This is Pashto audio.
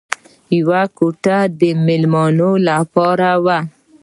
یوه کوټه د مېلمنو لپاره وه